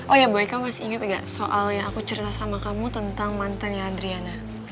oh ya boy kamu masih inget gak soal yang aku cerita sama kamu tentang mantan ya adriana